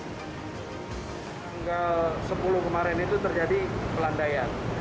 tanggal sepuluh kemarin itu terjadi pelandaian